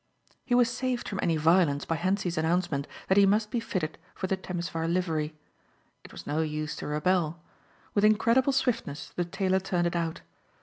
He was saved from any violence by Hentzi's announcement that he must be fitted for the Temesvar livery. It was no use to rebel. With incredible swiftness the tailor turned it out.